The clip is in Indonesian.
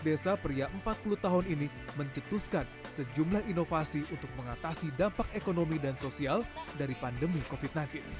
desa pria empat puluh tahun ini mencetuskan sejumlah inovasi untuk mengatasi dampak ekonomi dan sosial dari pandemi covid sembilan belas